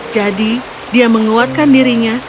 jadi dia menguatkan dirinya